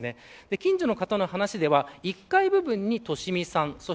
近所の方の話では１階部分に利美さん